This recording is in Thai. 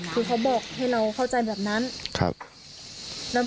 คือเขาบอกให้เราเข้าใจแบบนั้นครับคือเขาบอกให้เราเข้าใจแบบนั้น